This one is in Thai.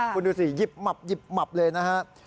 คุณดูสิหยิบหมับหยิบหมับเลยนะฮะ